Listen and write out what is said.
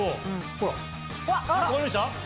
ほら分かりました？